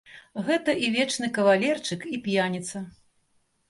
Гэта і вечны кавалерчык і п'яніца.